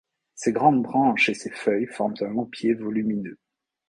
Ses grandes branches et ses feuilles forment un houppier volumineux.